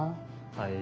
はい。